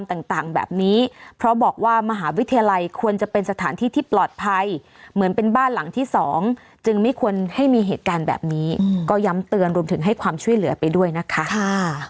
ต่างแบบนี้เพราะบอกว่ามหาวิทยาลัยควรจะเป็นสถานที่ที่ปลอดภัยเหมือนเป็นบ้านหลังที่สองจึงไม่ควรให้มีเหตุการณ์แบบนี้ก็ย้ำเตือนรวมถึงให้ความช่วยเหลือไปด้วยนะคะ